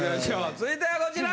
続いてはこちら！